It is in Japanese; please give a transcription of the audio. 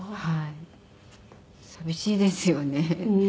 寂しいですよね。